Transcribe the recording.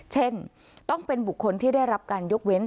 เช่นต้องเป็นบุคคลที่ได้รับการยกเว้น